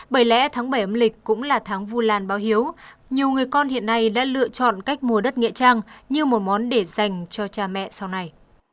bởi lẽ tháng bảy âm lịch cũng là tháng vu lan bao hiếu nhiều người con hiện nay đã lựa chọn cách mua đất nghệ trang như một món để dành cho cha mẹ sau này